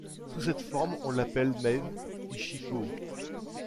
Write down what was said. Sous cette forme, on l’appelle Mew Ichigo.